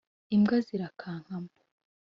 Imbwa zirakankama